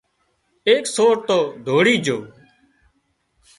ايڪ سور تو ڌوڙي جھو